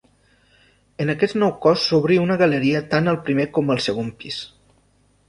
En aquest nou cos s'obrí una galeria tant al primer com al segon pis.